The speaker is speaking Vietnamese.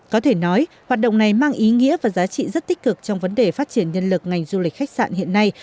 có thể nói hoạt động này mang ý nghĩa và giá trị rất tích cực trong vấn đề phát triển nhân lực ngành du lịch khách sạn hiện nay